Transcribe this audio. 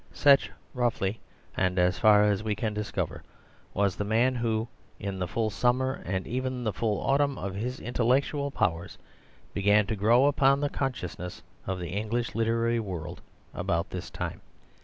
Such, roughly and as far as we can discover, was the man who, in the full summer and even the full autumn of his intellectual powers, began to grow upon the consciousness of the English literary world about this time.